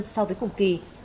hai tám so với cùng kỳ